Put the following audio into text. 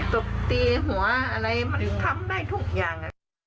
ตบตีหัวอะไรมันทำได้ทุกอย่าง